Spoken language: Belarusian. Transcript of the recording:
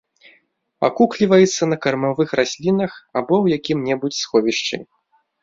Акукліваецца на кармавых раслінах або ў якім-небудзь сховішчы.